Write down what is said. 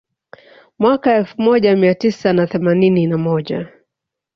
Mwaka elfu moja mia tisa na themanini na moja